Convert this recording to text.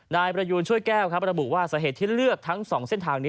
นายประยูนช่วยแก้วครับระบุว่าสาเหตุที่เลือกทั้ง๒เส้นทางนี้